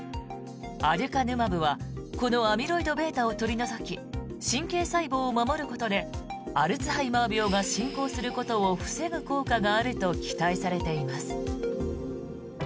アデュカヌマブはこのアミロイドβを取り除き神経細胞を守ることでアルツハイマー病が進行することを防ぐ効果があると期待されています。